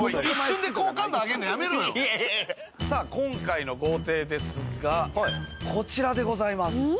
今回の豪邸ですが、こちらでございます。